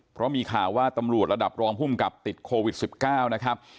เพราะมีข่าวว่าตำรวจระดับรองภูมิกับติดโควิด๑๙นะครับ